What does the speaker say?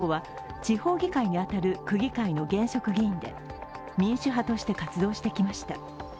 そしてもう１人、劉卓裕候補は地方議会に当たる区議会の現職議員で民主派として活動してきました。